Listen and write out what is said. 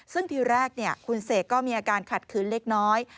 ซึ่งทีแรกคุณเสกก็มีอาการขัดขืนเล็กน้อย